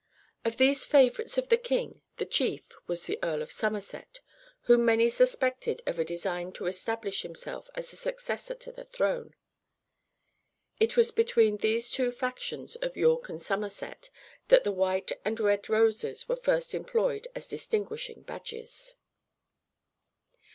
Of these favorites of the king, the chief was the Earl of Somerset, whom many suspected of a design to establish himself as the successor to the throne. It was between these two factions of York and Somerset, that the white and red roses were first employed as distinguishing badges. [Illustration: Warwick.